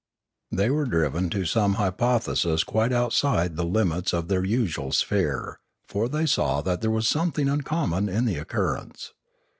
They were driven to some hypothesis quite outside the limits of their usual sphere, for they saw that there was something uncommon in the occurrence.